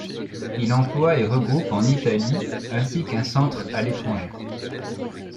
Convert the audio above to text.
Il emploie et regroupe en Italie ainsi qu'un centre à l'étranger.